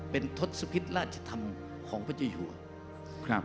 เป็นทศพิษราชธรรมของพระเจ้าอยู่